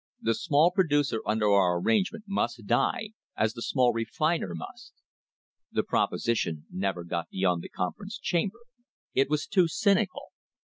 The small producer under our arrangement must die, as the small refiner must." The proposition never got beyond the conference chamber. It was too cynical.